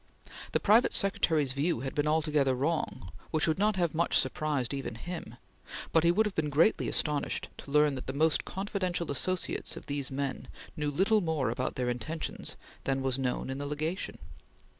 The private secretary's view had been altogether wrong, which would not have much surprised even him, but he would have been greatly astonished to learn that the most confidential associates of these men knew little more about their intentions than was known in the Legation.